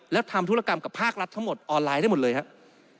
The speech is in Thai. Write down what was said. แล้วทำธุรกรรมกับภาครัฐทั้งหมดออนไลน์ได้หมดเลยครับ